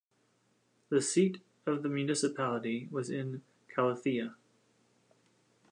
The seat of the municipality was in Kallithea.